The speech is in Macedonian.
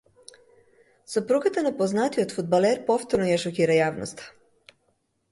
Сопругата на познатиот фудбалер повторно ја шокира јавноста